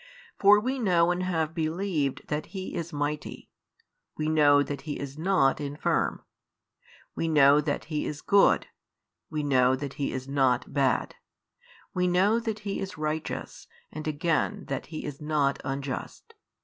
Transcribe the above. For we know and have believed that He is Mighty, we know that He is not infirm, we know that He is Good, we know that He is not bad, we know that He is Righteous, and again that He is not unjust.